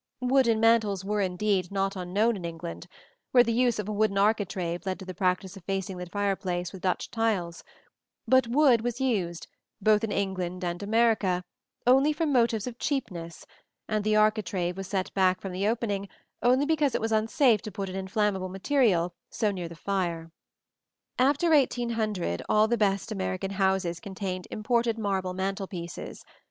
Wooden mantels were, indeed, not unknown in England, where the use of a wooden architrave led to the practice of facing the fireplace with Dutch tiles; but wood was used, both in England and America, only from motives of cheapness, and the architrave was set back from the opening only because it was unsafe to put an inflammable material so near the fire. After 1800 all the best American houses contained imported marble mantel pieces.